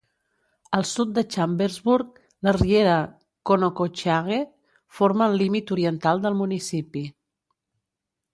Al sud de Chambersburg, la riera Conococheague forma el límit oriental del municipi.